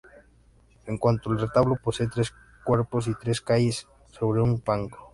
En cuanto al retablo, posee tres cuerpos y tres calles sobre un banco.